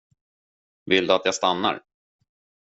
Vill du att jag stannar?